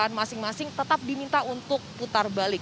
kendaraan masing masing tetap diminta untuk putar balik